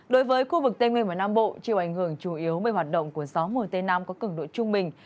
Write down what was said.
đối với khu vực tây nguyên và nam bộ chiều ảnh hưởng chủ yếu mới hoạt động của gió mùa tây nam có cứng độ trung bình